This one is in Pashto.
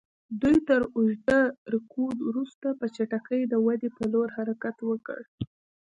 دوی تر اوږده رکود وروسته په چټکۍ د ودې پر لور حرکت پیل کړ.